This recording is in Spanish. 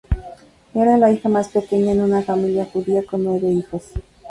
Era la hija más pequeña en una familia judía con nueve hijos.